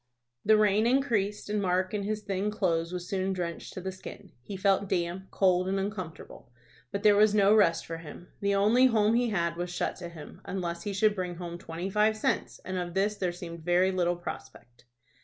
The rain increased, and Mark in his thin clothes was soon drenched to the skin. He felt damp, cold, and uncomfortable. But there was no rest for him. The only home he had was shut to him, unless he should bring home twenty five cents, and of this there seemed very little prospect.